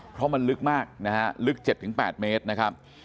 เพราะมันลึกมากนะฮะลึก๗๘เมตรนะครับ